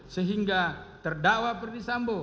sehingga terdakwa perdisambo